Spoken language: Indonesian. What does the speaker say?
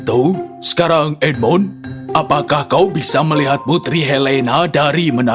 tuh sekarang edmund apakah kau bisa melihat putri helen